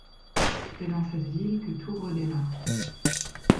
C'est dans cette ville que tout redémarre.